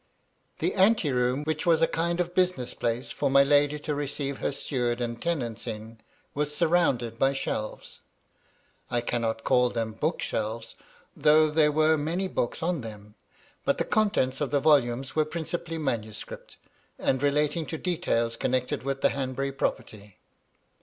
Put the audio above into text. The anteroom, which was a kind of business place for my lady to receive her steward and tenants in, was surrounded by shelves. I cannot call them book shelves, though there were many books on them ; but the contents of the volumes were principally manuscript, and relating to details connected with the Hanbury property.